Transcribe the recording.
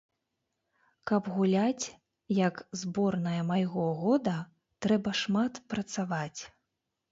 Каб гуляць, як зборная майго года, трэба шмат працаваць.